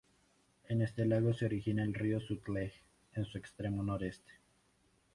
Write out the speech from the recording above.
En este lago se origina el río Sutlej, en su extremo noroeste.